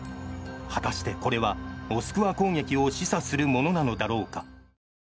果たして、これはモスクワ攻撃を示唆するものなのだろうか。